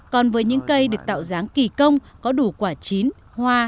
còn với những cây được tạo dáng kỳ công có đủ quả chín hoa